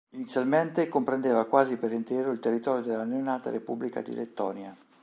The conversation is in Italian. Inizialmente comprendeva quasi per intero il territorio della neonata repubblica di Lettonia.